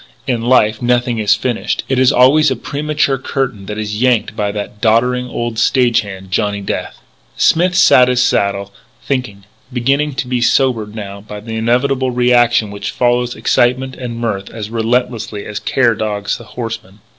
In life nothing is finished. It is always a premature curtain which is yanked by that doddering old stage hand, Johnny Death. Smith sat his saddle, thinking, beginning to be sobered now by the inevitable reaction which follows excitement and mirth as relentlessly as care dogs the horseman.